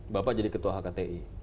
bapak jadi ketua hkti